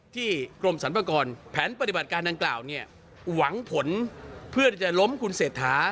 กรมสรรพากรแผนปฏิบัติการดังกล่าวเนี่ยหวังผลเพื่อที่จะล้มคุณเศรษฐา